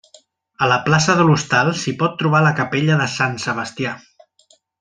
A la plaça de l'Hostal s'hi pot trobar la capella de Sant Sebastià.